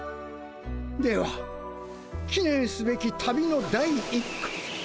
ではきねんすべき旅の第一句。